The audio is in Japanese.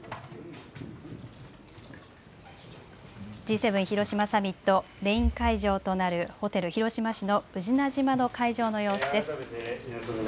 Ｇ７広島サミットメイン会場となるホテル、広島市の宇品島の会場の様子です。